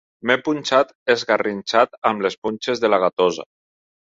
M'he punxat, esgarrinxat, amb les punxes de la gatosa.